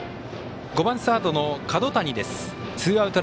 ５番、サードの角谷です。